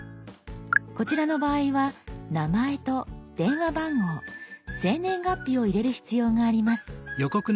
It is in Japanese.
こちらの場合は「名前」と「電話番号」「生年月日」を入れる必要があります。